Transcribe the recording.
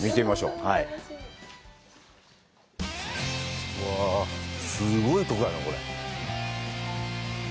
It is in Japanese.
うわぁ、すごいとこやなぁ、これ！